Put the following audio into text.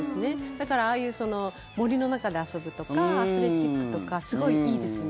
だからああいう森の中で遊ぶとかアスレチックとかすごい、いいですね。